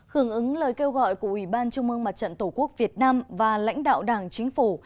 hưởng ứng lời kêu gọi của ủy ban trung mương mặt trận tổ quốc việt nam và lãnh đạo đảng chính phủ